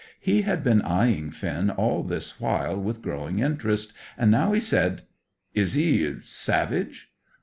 He had been eyeing Finn all this while with growing interest, and now he said "Is he savage?"